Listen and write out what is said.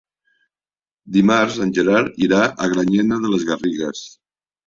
Dimarts en Gerard irà a Granyena de les Garrigues.